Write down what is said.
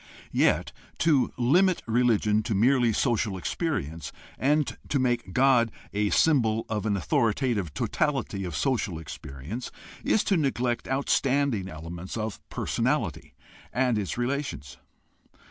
Yet to limit religion to merely social experience and to make God a symbol of an authoritative totality of social experience is to neglect outstanding elements of personaHty and its relations.